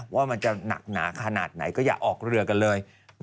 ว่ามันจะหนักหนาขนาดไหนก็อย่าออกเรือกันเลย